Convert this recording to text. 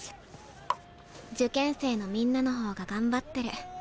受験生のみんなの方が頑張ってる。